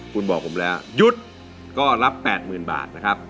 คุณบอกผมแล้วหยุดก็รับ๘๐๐๐บาทนะครับ